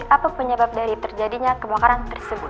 apa penyebab dari terjadinya kebakaran tersebut